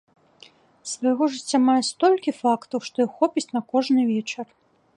З свайго жыцця мае столькі фактаў, што іх хопіць на кожны вечар.